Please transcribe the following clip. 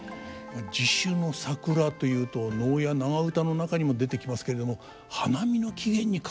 地主の桜というと能や長唄の中にも出てきますけれども花見の起源に関わっていたんですか。